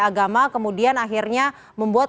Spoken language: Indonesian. agama kemudian akhirnya membuat